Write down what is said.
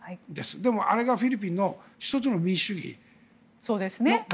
でも、あれがフィリピンの１つの民主主義の形。